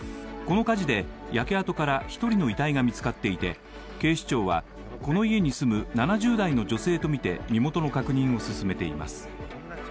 この火事で、焼け跡から１人の遺体が見つかっていて、警視庁はこの家に住む７０代の女性とみて身元の確認を進めています。